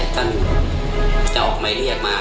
ท่านจะออกหมายเรียกมา